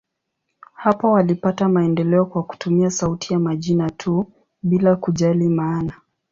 Hapo walipata maendeleo kwa kutumia sauti ya majina tu, bila kujali maana.